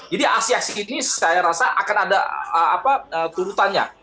jadi aksi aksi ini saya rasa akan ada turutannya